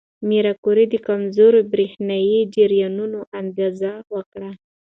ماري کوري د کمزورو برېښنايي جریانونو اندازه وکړه.